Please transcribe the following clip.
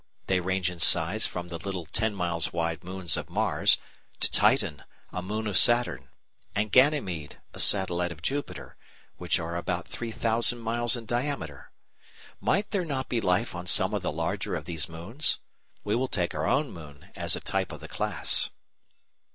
They range in size from the little ten miles wide moons of Mars, to Titan, a moon of Saturn, and Ganymede, a satellite of Jupiter, which are about 3,000 miles in diameter. May there not be life on some of the larger of these moons? We will take our own moon as a type of the class.